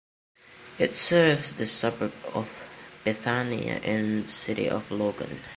It serves the suburb of Bethania in City of Logan.